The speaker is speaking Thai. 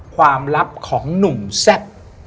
ความลับของหนุ่มแซ่บ